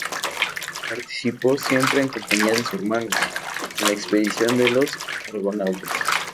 Participó, siempre en compañía de su hermano, en la expedición de los argonautas.